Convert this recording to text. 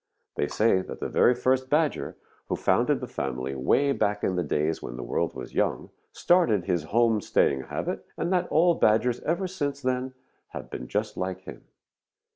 They say that the very first Badger, who founded the family way back in the days when the world was young, started this home staying habit, and that all Badgers ever since then have been just like him.